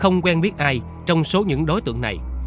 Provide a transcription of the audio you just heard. không quen biết ai trong số những đối tượng này